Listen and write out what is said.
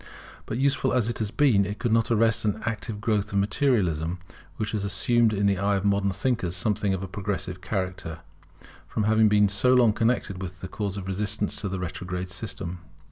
But useful as it has been, it could not arrest the active growth of Materialism, which has assumed in the eyes of modern thinkers something of a progressive character, from having been so long connected with the cause of resistance to a retrograde system.